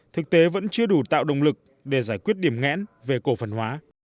thực tế vẫn chưa đủ tạo động lực để giải quyết điểm ngẽn về cổ phần hóa